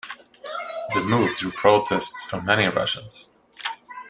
The move drew protests from many Russians.